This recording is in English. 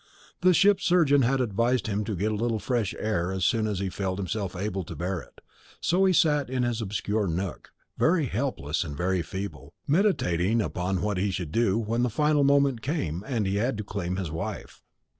The ship's surgeon had advised him to get a little fresh air as soon as he felt himself able to bear it; so he sat in his obscure nook, very helpless and very feeble, meditating upon what he should do when the final moment came and he had to claim his wife.